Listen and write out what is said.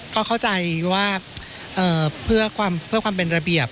ก็เข้าใจว่าเพื่อความเป็นระเบียบ